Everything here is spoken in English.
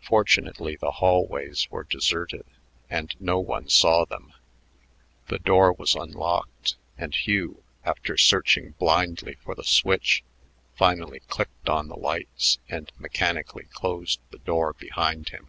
Fortunately the hallways were deserted, and no one saw them. The door was unlocked, and Hugh, after searching blindly for the switch, finally clicked on the lights and mechanically closed the door behind him.